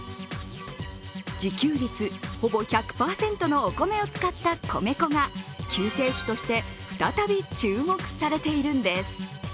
自給率、ほぼ１００％のお米を使った米粉が救世主として再び注目されているんです。